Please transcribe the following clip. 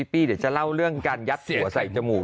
ปี้เดี๋ยวจะเล่าเรื่องการยัดเสือใส่จมูก